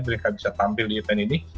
mereka bisa tampil di event ini